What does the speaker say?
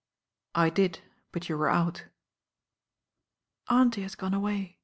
"I did; but you were out." "Auntie has gone away.